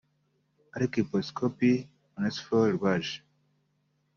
Arikibpesikopi Onesphore Rwaje